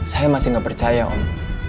saya masih nggak percaya om